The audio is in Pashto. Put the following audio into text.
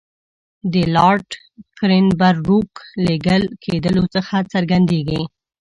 د لارډ کرېنبروک لېږل کېدلو څخه څرګندېږي.